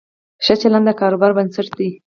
ښه چلند د کاروبار بنسټ دی.